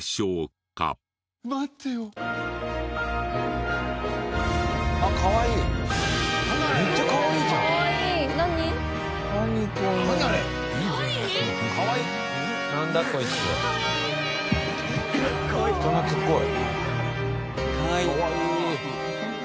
かわいい。